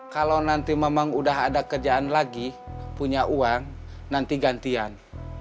kalau nanti memang udah ada kerjaan lagi punya uang nanti gantian